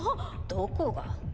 どこが？